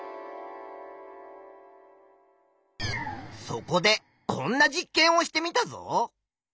そこでこんな実験をしてみたぞ。